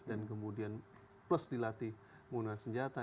dan kemudian plus dilatih menggunakan senjata